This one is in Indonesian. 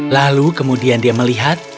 lalu kemudian dia melihat